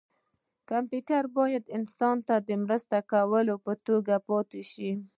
کمپیوټر باید د انسان د مرسته کوونکي په توګه پاتې شي.